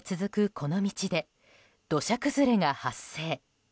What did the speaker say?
この道で土砂崩れが発生。